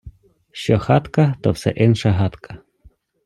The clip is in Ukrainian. Що хатка, то все инша гадка.